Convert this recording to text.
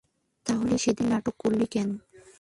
তাহলে সেদিন নাটক করলি কেন?